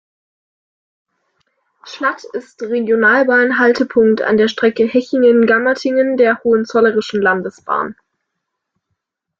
Schlatt ist Regionalbahn-Haltepunkt an der Strecke Hechingen–Gammertingen der Hohenzollerischen Landesbahn.